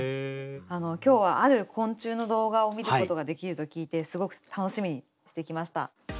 今日はある昆虫の動画を観ることができると聞いてすごく楽しみにしてきました。